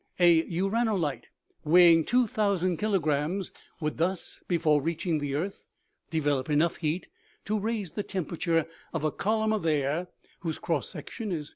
A uranolite weighing 2000 kilograms would thus, before reaching the earth, develop enough heat to raise the temperature of a column of air, whose cross section is.